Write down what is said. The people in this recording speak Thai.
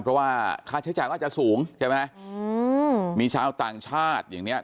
เพราะว่าค่าใช้จ่ายก็อาจจะสูงใช่ไหมอืมมีชาวต่างชาติอย่างเนี้ย